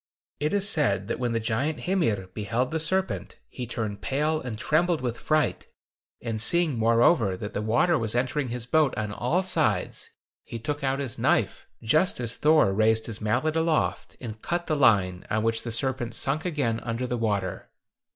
It is said that when the giant Hymir beheld the serpent, he turned pale and trembled with fright and seeing, moreover, that the water was entering his boat on all sides, he took out his knife, just as Thor raised his mallet aloft, and cut the line, on which the serpent sunk again under the water.